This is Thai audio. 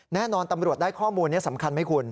แน่นอนตำรวจได้ข้อมูลนี้สำคัญไหมคุณ